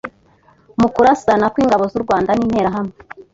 mu kurasana kw’Ingabo z’u Rwanda n’Interahamwe,